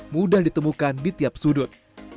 mudah ditemukan di tiap sudut